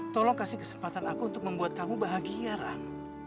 tolong kasih kesempatan aku untuk membuat kamu bahagia ran